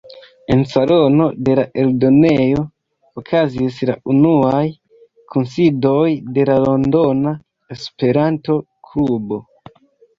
En salono de la eldonejo okazis la unuaj kunsidoj de la Londona Esperanto Klubo.